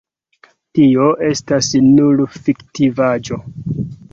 Tio estas nur fiktivaĵo.